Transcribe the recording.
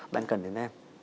bạn cần đến em